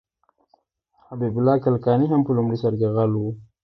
حبیب الله کلکاني هم په لومړي سر کې غل و.